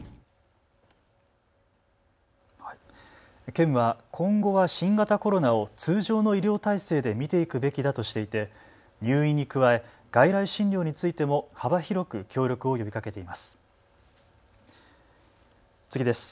県は今後は新型コロナを通常の医療体制で診ていくべきだとしていて入院に加え外来診療についても幅広く協力を呼びかけています。